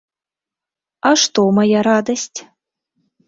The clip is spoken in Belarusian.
А што, мая радасць?